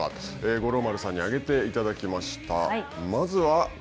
五郎丸さんに挙げていただきました。